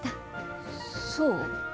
そう？